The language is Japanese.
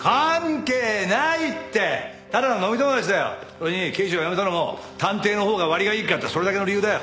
それに刑事を辞めたのも探偵のほうが割がいいからってそれだけの理由だよ。